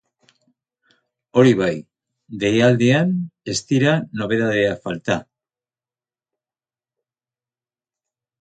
Hori bai, deialdian ez dira nobedadeak falta.